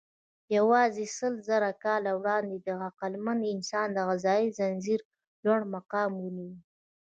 یواځې سلزره کاله وړاندې عقلمن انسان د غذایي ځنځير لوړ مقام ونیو.